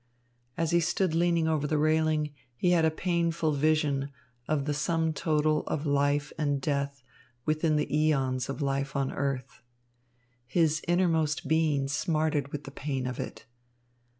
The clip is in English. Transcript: As he stood leaning over the railing, he had a painful vision of the sum total of life and death within the eons of life on earth. His innermost being smarted with the pain of it.